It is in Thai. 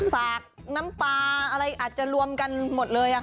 สากน้ำปลาอะไรอาจจะรวมกันหมดเลย